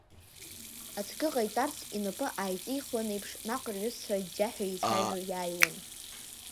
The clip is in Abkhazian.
Ацкы ҟаиҵарц инапы ааиҵихуан еиԥш наҟ рҩызцәа аџьџьаҳәа еицәажәо иааиуан.